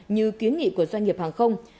như kiến nghị của doanh nghiệp hàng không